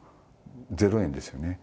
０円ですよね。